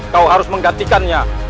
kau harus menggantikannya